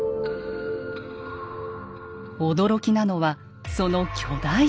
驚きなのはその巨大さ。